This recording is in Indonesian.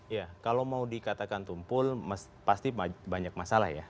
ya kalau mau dikatakan tumpul pasti banyak masalah ya